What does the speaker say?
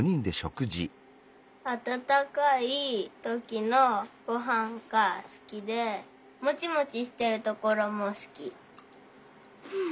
あたたかいときのご飯が好きでもちもちしてるところも好きふう。